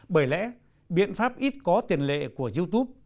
bởi lẽ biện pháp ít có tiền lệ của youtube